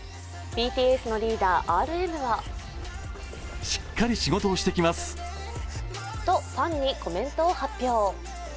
ＢＴＳのリーダー・ＲＭはとファンにコメントを発表。